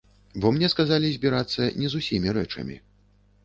Бо мне сказалі збірацца не з усімі рэчамі.